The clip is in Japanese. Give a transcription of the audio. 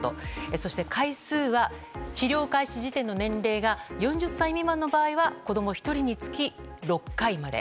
そして回数は治療開始時点の年齢が４０歳未満の場合は子供１人につき６回まで。